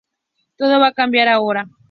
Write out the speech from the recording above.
Todo va a cambiar ahora.